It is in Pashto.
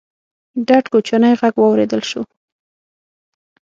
ډډ کوچيانی غږ واورېدل شو: